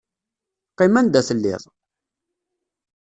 Qqim anda telliḍ!